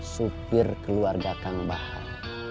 supir keluarga kang bahar